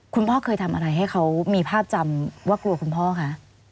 คุณพ่อเคยทำอะไรให้เขามีภาพจำว่ากลัวคุณพ่อคะ